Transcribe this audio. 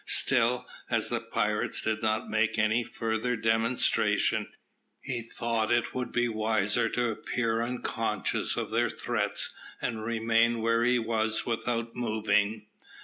Still, as the pirates did not make any further demonstration, he thought it would be wiser to appear unconscious of their threats, and remained where he was without moving.